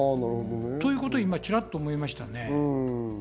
ということをチラっと感じましたね。